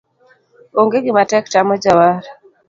Onge gimatek tamo jawar.